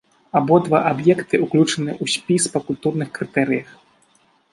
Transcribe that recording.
Абодва аб'екты ўключаны ў спіс па культурных крытэрыях.